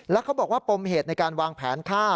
แล้วเขาบอกว่าปมเหตุในการวางแผนฆ่า